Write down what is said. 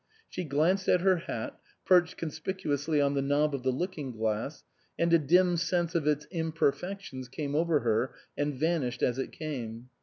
She glanced at her hat, perched conspicuously on the knob of the looking glass, and a dim sense of its imperfections came over her and vanished as it came.